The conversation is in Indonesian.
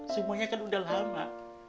semuanya kan udah lama